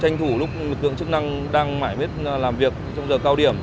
tranh thủ lúc lực lượng chức năng đang mãi mết làm việc trong giờ cao điểm